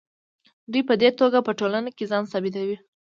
دوی په دې توګه په ټولنه کې ځان ثابتوي.